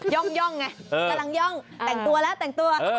ย่องไงกำลังย่องแต่งตัวแล้วแต่งตัว